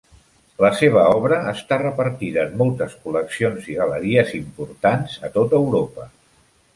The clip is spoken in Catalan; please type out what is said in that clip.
La seva obra està repartida en moltes col·leccions i galeries importants a tot Europa.